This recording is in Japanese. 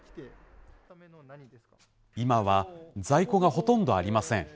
今は在庫がほとんどありません。